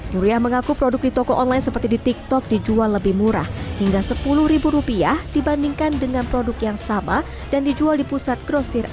nuriyah mengaku produk di toko online seperti di tiktok dijual lebih murah hingga sepuluh ribu rupiah dibandingkan dengan produk yang sama dan dijual di pusat grosir